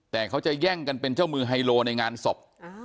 แต่เขาจะแย่งกันเป็นเจ้ามือไฮโลในงานศพ